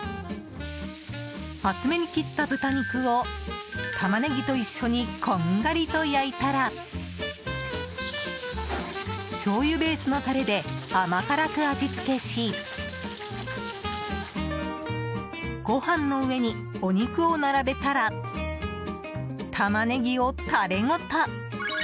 厚めに切った豚肉をタマネギと一緒にこんがりと焼いたらしょうゆベースのタレで甘辛く味付けしご飯の上にお肉を並べたらタマネギをタレごと！